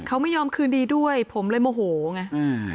เขาไม่ยอมคืนดีด้วยผมเลยโมโหไงอ่า